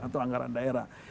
atau anggaran daerah